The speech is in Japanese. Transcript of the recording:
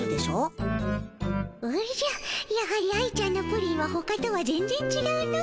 おじゃやはり愛ちゃんのプリンはほかとは全ぜんちがうの。